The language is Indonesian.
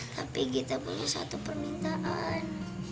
tapi gita punya satu permintaan